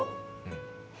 うん。